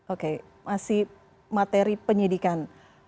oke masih materi penyidikan